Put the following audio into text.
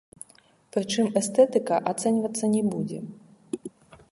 Прычым эстэтыка ацэньвацца не будзе.